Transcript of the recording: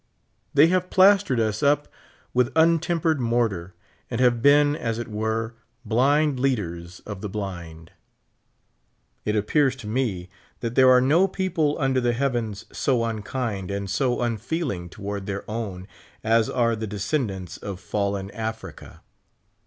They have plastered us up with un tempered mortar, and have been, as it were, blind leaders of the blind. It appears to me tliat there are no people under the heavens so unkind and so unfeeling toward their own as are the descendants of fallen Africa.